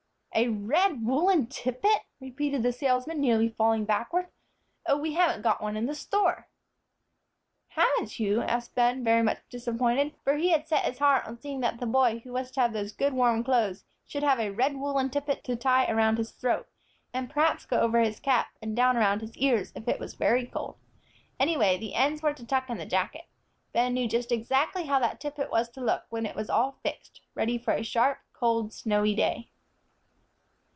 "A red woollen tippet!" repeated the salesman, nearly falling backward. "Oh, we haven't got one in the store!" "Haven't you?" asked Ben, very much disappointed, for he had set his heart on seeing that the boy who was to have those good warm clothes should have a red woollen tippet to tie around his throat, and perhaps go over his cap, and down around his ears, if it was very cold. Anyway, the ends were to tuck in the jacket. Ben knew just exactly how that tippet was to look when it was all fixed, ready for a sharp, cold, snowy day.